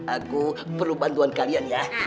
aku perlu bantuan kalian ya